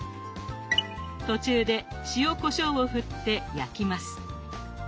途中で塩・こしょうを振って焼きます。